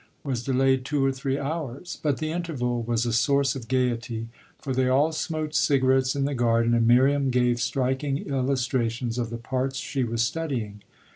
was delayed two or three hours; but the interval was a source of gaiety, for they all smoked cigarettes in the garden and Miriam gave striking illustrations of the parts she was studying.